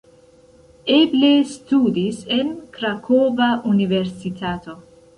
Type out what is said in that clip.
Eble studis en Krakova universitato.